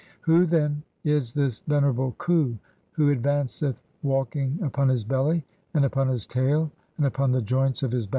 "Who, then, is this venerable Khu (12) who advanceth walking "upon his belly and upon his tail and upon the joints of his "back?